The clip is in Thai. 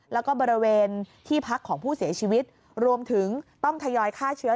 แล้วก็บริเวณที่พักของผู้เสียชีวิตรวมถึงต้องทยอยฆ่าเชื้อ